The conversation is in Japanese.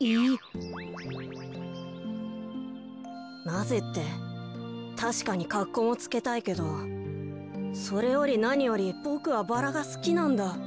なぜってたしかにかっこもつけたいけどそれよりなによりボクはバラがすきなんだ。